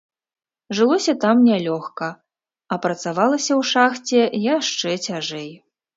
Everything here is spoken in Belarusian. Жылося там нялёгка, а працавалася ў шахце яшчэ цяжэй.